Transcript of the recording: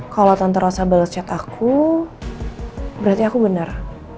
kalau tante rosa bales chat aku berarti aku benar